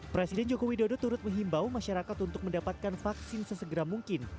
presiden joko widodo turut menghimbau masyarakat untuk mendapatkan vaksin sesegera mungkin